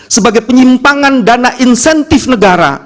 sebagai penyimpangan dana insentif negara